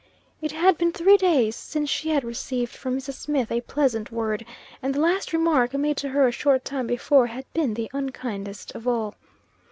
It had been three days since she had received from Mrs. Smith a pleasant word, and the last remark, made to her a short time before, had been the unkindest of all.